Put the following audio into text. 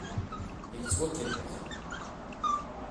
Yettwakellex.